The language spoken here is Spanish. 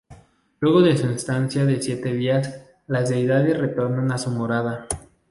Luego de su estancia de siete días, las deidades retornan a su morada.